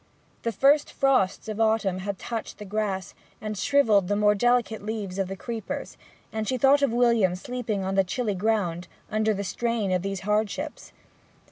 The first frosts of autumn had touched the grass, and shrivelled the more delicate leaves of the creepers; and she thought of William sleeping on the chilly ground, under the strain of these hardships.